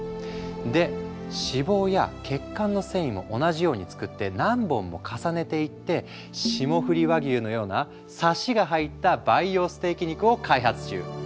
で脂肪や血管の繊維も同じように作って何本も重ねていって霜降り和牛のようなサシが入った培養ステーキ肉を開発中。